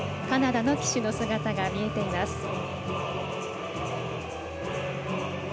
カナダの旗手の姿が見えています。